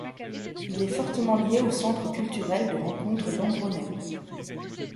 Il est fortement lié au Centre Culturel de Rencontre d'Ambronay.